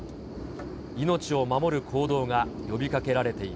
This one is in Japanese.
命を守る行動が呼びかけられてい